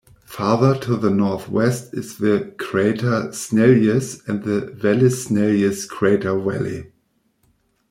Farther to the northwest is the crater Snellius and the Vallis Snellius crater valley.